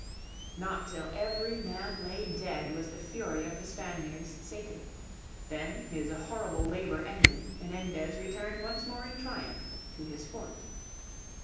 Not till every man lay dead was the fury of the Spaniards sated. Then, his horrible labour ended, Menendez returned once more in triumph to his fort.